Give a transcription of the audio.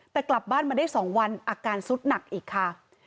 แต่กลับบ้านมาได้๒วันอาการสุดหนักอีกค่ะ